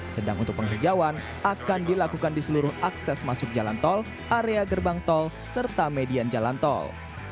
sedang untuk penghijauan akan dilakukan di seluruh akses masuk jalan tol area gerbang tol serta median jalan tol